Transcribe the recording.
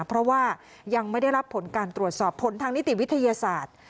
เพราะว่ายังไม่ได้รับผลการตรวจสอบผลทางนิติวิทยาศาสตร์